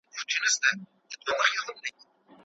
پخوانی دولت خپل واک نوي ته وسپاره.